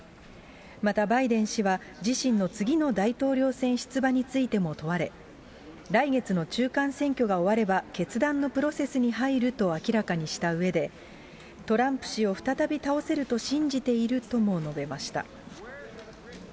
また、バイデン氏は、自身の次の大統領選出馬についても問われ、来月の中間選挙が終われば決断のプロセスに入ると明らかにしたうえで、トランプ氏を再び倒せると信じているとも述べました。